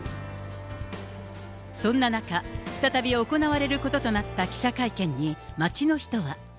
そんな中、再び行われることとなった記者会見に、街の人は。